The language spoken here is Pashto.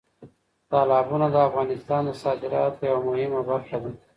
تالابونه د افغانستان د صادراتو یوه مهمه برخه ده.